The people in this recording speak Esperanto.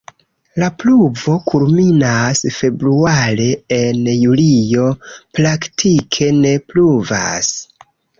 La pluvo kulminas februare, en julio praktike ne pluvas.